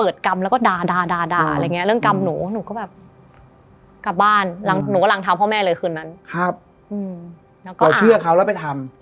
ทำแล้วไง